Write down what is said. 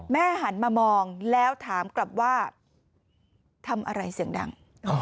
หันมามองแล้วถามกลับว่าทำอะไรเสียงดัง